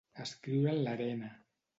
Escriure en l'arena.